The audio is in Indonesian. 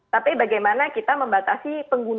tapi bagaimana kita membatasi